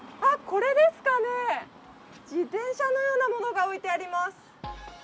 これですかね、自転車のようなものが置いてあります。